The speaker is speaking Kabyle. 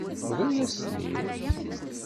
Bḍu-yas-ten-id.